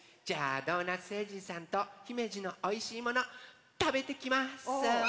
じゃあドーナツせいじんさんとひめじのおいしいものたべてきます！